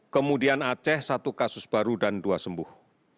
kemudian aceh satu kasus baru dan dua sembuh